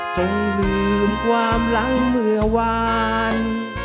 จึงลืมความหลังเมื่อวาน